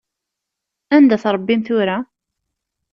Anda-t Ṛebbi-m tura?